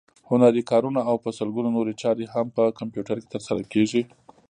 هنري کارونه او په سلګونو نورې چارې هم په کمپیوټر کې ترسره کېږي.